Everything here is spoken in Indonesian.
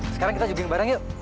sekarang kita jogging bareng yuk